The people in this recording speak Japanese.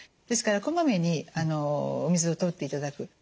ですからこまめにお水をとっていただく。